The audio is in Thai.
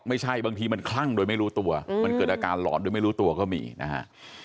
บางทีมันคลั่งโดยไม่รู้ตัวมันเกิดอาการหลอนโดยไม่รู้ตัวก็มีนะฮะ